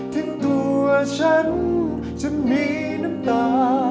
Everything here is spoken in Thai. ถึงตัวฉันฉันมีน้ำตา